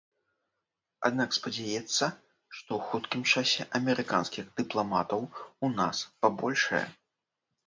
Аднак спадзяецца, што ў хуткім часе амерыканскіх дыпламатаў у нас пабольшае.